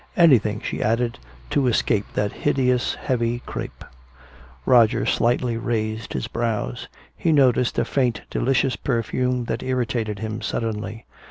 "Anything," she added, "to escape that hideous heavy crepe." Roger slightly raised his brows. He noticed a faint delicious perfume that irritated him suddenly.